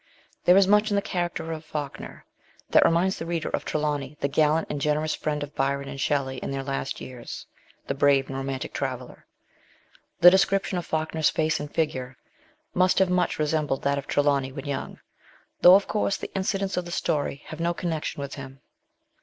There is much in the character of Falkner that reminds the reader of Trelawny, the gallant and generous friend of Byron and Shelley in their last years, the brave and romantic traveller. The description of Falkner's face and figure must have much resembled that of Trelawny when young, though, of course, the incidents of the story have no connection with him.